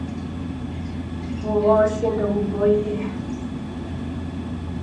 W'ughosi ndeguboie.